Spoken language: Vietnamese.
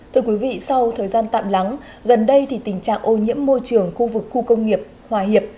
thưa quý vị sau thời gian tạm lắng gần đây thì tình trạng ô nhiễm môi trường khu vực khu công nghiệp hòa hiệp